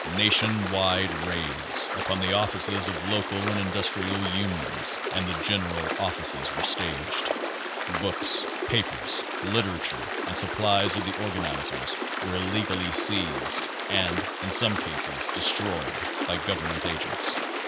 Nation wide raids upon the offices of local and indus trial unions and the general offices were staged. Books, papers, literature and supplies of the organization were illegally seized, and in some cases, destroyed by govern ment agents.